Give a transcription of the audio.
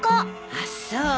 あっそう。